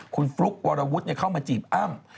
คุณฟลุ๊กวรวุฒิเข้ามาจีบอ้ำ